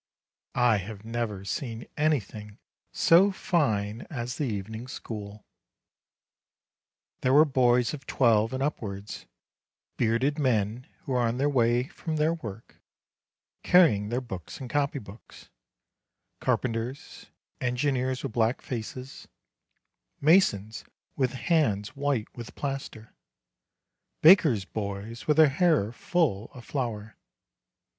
I have never seen anything so fine as the evening school. There were boys of twelve and upwards; bearded men who were on their way from their work, carrying their books and copy books ; carpenters, engineers with black faces, masons with hands white with plaster, bakers' boys with their hair full of flour.